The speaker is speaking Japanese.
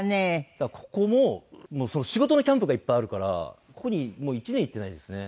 だからここも仕事のキャンプがいっぱいあるからここにもう１年行ってないですね。